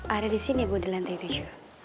ada disini bu di lantai tujuh